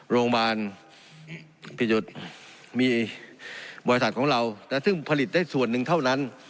โรงพยาบาลมีบริษัทของเราซึ่งผลิตได้ส่วนหนึ่งเท่านั้น